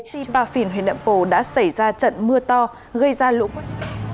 sipafin huỳnh đậm pồ đã xảy ra trận mưa to gây ra lũ quét